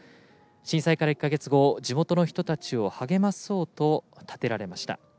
震災から１か月後地元の人たちを励まそうと立てられました。